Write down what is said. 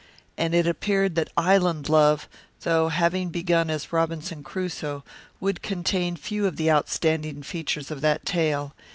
And it appeared that Island Love, though having begun as Robinson Crusoe, would contain few of the outstanding features of that tale.